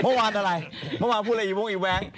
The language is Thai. เมื่อวานอะไรเมื่อวานพูดเรื่องอะไรอีแวง